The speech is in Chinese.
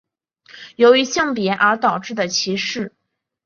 由于性别而导致的歧视。